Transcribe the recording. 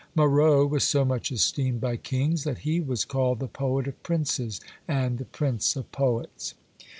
Marot was so much esteemed by kings, that he was called the poet of princes, and the prince of poets.